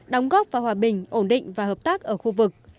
đóng góp vào hòa bình ổn định và hợp tác ở khu vực